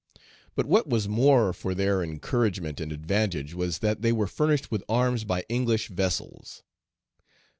But what was more for their encouragement and advantage was that they were furnished with arms by English vessels.